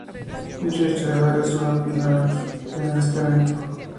Muchos historiadores dudan de la verosimilitud de este evento.